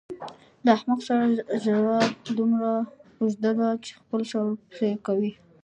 د احمق سړي ژبه دومره اوږده ده چې خپل سر پرې کوي.